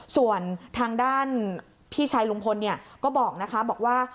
ส่วนทางด้านพี่ชายลุงพลก็บอกว่า